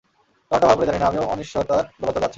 কারণটা ভালো করে জানি না, আমিও অনিশ্চয়তার দোলাচলে আছি!